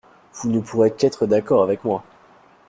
Vous ne pourrez qu’être d’accord avec moi.